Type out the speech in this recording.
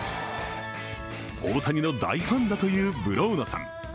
大谷の大ファンだというブローナさん。